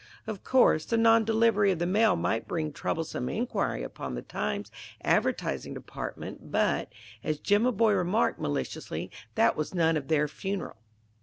Of course, the non delivery of the mail might bring troublesome inquiry upon the Times advertising department, but, as Jimaboy remarked maliciously, that was none of their funeral.